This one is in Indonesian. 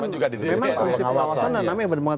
memang komisi pengawasan namanya yang berdemona